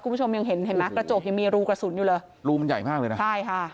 คุณผู้ชมยังเห็นเห็นไหมกระจกยังมีรูกระสุนอยู่เลยรูมันใหญ่มากเลยนะใช่ค่ะ